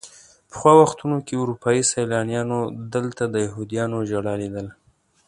پخوا وختونو کې اروپایي سیلانیانو دلته د یهودیانو ژړا لیدله.